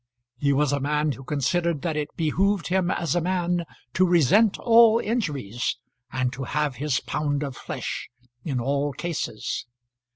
He was a man who considered that it behoved him as a man to resent all injuries, and to have his pound of flesh in all cases.